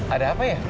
ada apa ya